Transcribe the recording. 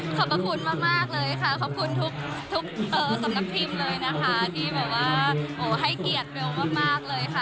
ขอบคุณมากเลยค่ะขอบคุณทุกสำนักพิมพ์เลยนะคะที่แบบว่าให้เกียรติเบลมากเลยค่ะ